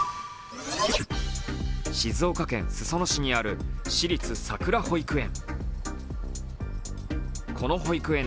静岡県裾野市にある私立さくら保育園。